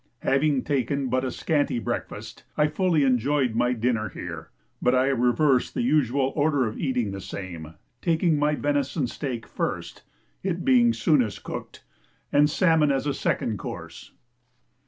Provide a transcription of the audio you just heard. Having taken but a scanty breakfast, I fully enjoyed my dinner here, but I reversed the usual order of eating the same, taking my venison steak first (it being soonest cooked), and salmon as second course.